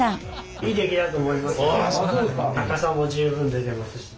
高さも十分出てますし。